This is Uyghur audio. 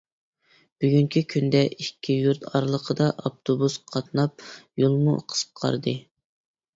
بۈگۈنكى كۈندە ئىككى يۇرت ئارىلىقىدا ئاپتوبۇس قاتناپ يولمۇ قىسقاردى.